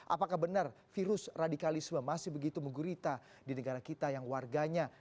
apakah benar virus radikalisme masih begitu menggurita di negara kita yang warganya